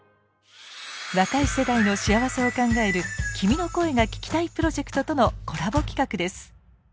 若い世代の幸せを考える「君の声が聴きたい」プロジェクトとのコラボ企画です。